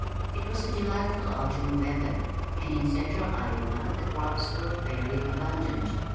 It was delightful autumn weather, and in central Iowa the crops were fairly abundant.